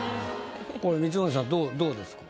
これ光宗さんどうですか？